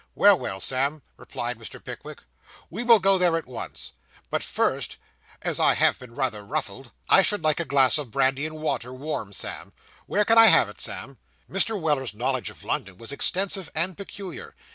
'Well, well, Sam,' replied Mr. Pickwick, 'we will go there at once; but first, as I have been rather ruffled, I should like a glass of brandy and water warm, Sam. Where can I have it, Sam?' Mr. Weller's knowledge of London was extensive and peculiar.